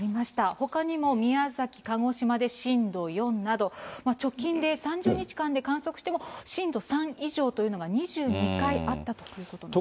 ほかにも宮崎、鹿児島で震度４など、直近で３０日間で観測しても、震度３以上というのが２２回あったということなんです。